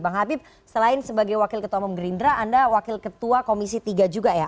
bang habib selain sebagai wakil ketua umum gerindra anda wakil ketua komisi tiga juga ya